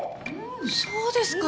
そうですか？